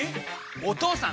お義父さん！